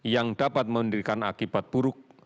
yang dapat mendirikan akibat buruk